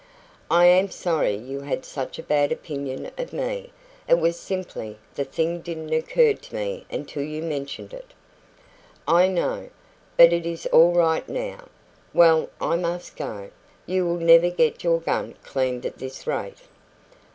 "I am sorry you had such a bad opinion of me. It was simply the thing didn't occur to me until you mentioned it." "I know. But it is all right now. Well, I must go. You will never get your gun cleaned at this rate."